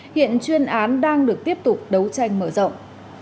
hiện chuyên án đang được tiếp tục đấu tranh mở rộng